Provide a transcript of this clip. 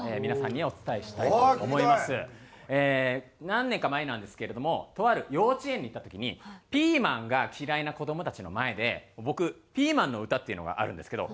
何年か前なんですけれどもとある幼稚園に行った時にピーマンが嫌いな子どもたちの前で僕『ピーマンのうた』っていうのがあるんですけど